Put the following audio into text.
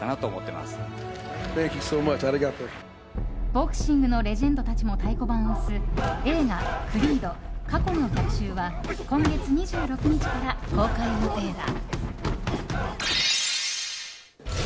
ボクシングのレジェンドたちも太鼓判を押す映画「クリード過去の逆襲」は今月２６日から公開予定だ。